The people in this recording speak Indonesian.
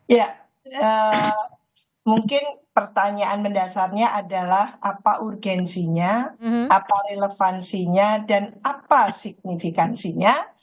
ya mungkin pertanyaan mendasarnya adalah apa urgensinya apa relevansinya dan apa signifikansinya